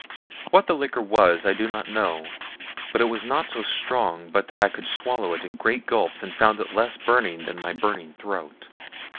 What the liquor was I do not know, but it was not so strong but that I could swallow it in great gulps and found it less burning than my burning throat.